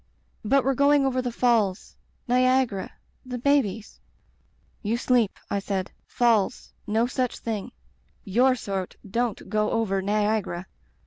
'But we're going over the falls — ^Niagara — the babies ' "'You sleep,' I said. 'Falls — ^no such thing. Tour sort don't go over Niagara.'